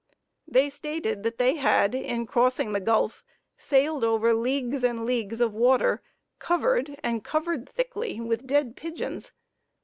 They stated that they had, in crossing the Gulf, sailed over leagues and leagues of water covered, and covered thickly, with dead pigeons.